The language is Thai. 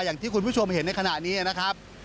อย่างที่คุณผู้ชมเห็นในขณะนี้นะครับ